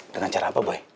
dengan cara apa boy